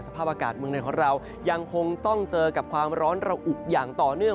สภาพอากาศเมืองไหนของเรายังคงต้องเจอกับความร้อนระอุอย่างต่อเนื่อง